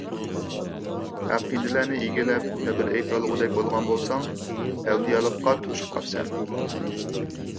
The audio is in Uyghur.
ئەقىدىلەرنى ئىگىلەپ، تەبىر ئېيتالىغۇدەك بولغان بولساڭ، ئەۋلىيالىققا توشۇپ قاپسەن.